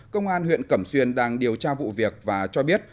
công an huyện cẩm xuyên đang điều tra vụ việc và cho biết